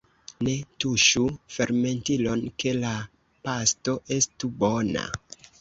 Ne tuŝu fermentilon, ke la pasto estu bona!